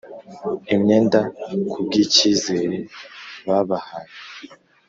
imyenda kubwikizere babahaye.